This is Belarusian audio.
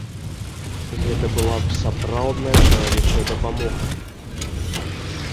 Гэта была б сапраўдная чалавечая дапамога.